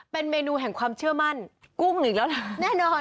เป็นเมนูแห่งความเชื่อมั่นกุ้งอีกแล้วล่ะแน่นอน